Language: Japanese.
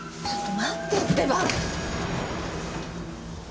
ちょっと待って。